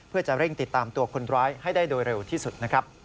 เพื่อจะเร่งติดตามตัวคนร้ายให้ได้โดยเร็วที่สุดนะครับ